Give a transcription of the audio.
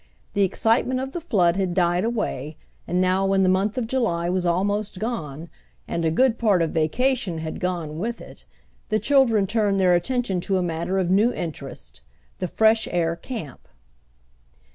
The excitement of the flood had died away, and now when the month of July was almost gone, and a good part of vacation had gone with it, the children turned their attention to a matter of new interest the fresh air camp.